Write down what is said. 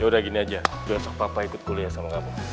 yaudah gini aja besok papa ikut kuliah sama kamu